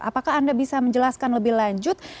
apakah anda bisa menjelaskan lebih lanjut